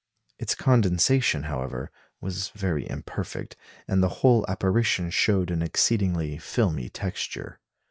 Its condensation, however, was very imperfect, and the whole apparition showed an exceedingly filmy texture.